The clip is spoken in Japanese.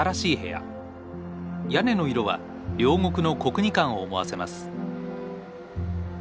屋根の色は両国の国技館を思わせます。